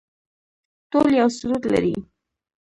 ټول یو سرود لري